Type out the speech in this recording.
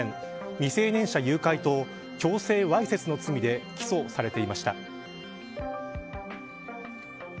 未成年者誘拐と強制わいせつの罪で起訴されていました。